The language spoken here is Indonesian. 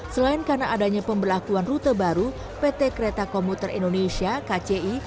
selain karena adanya pembelakuan rute baru pt kereta komuter indonesia kci